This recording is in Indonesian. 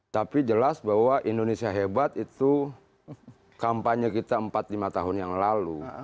tapi jelas bahwa indonesia hebat itu kampanye kita empat lima tahun yang lalu